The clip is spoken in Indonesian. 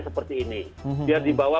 seperti ini biar dibawa